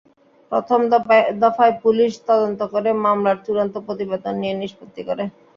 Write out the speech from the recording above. প্রথম দফায় পুলিশ তদন্ত করে মামলার চূড়ান্ত প্রতিবেদন দিয়ে নিষ্পত্তি করে।